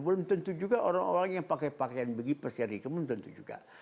menurut saya itu juga orang orang yang pakai pakaian begitu persediaan itu juga